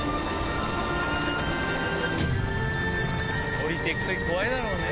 降りて行く時怖いだろうね。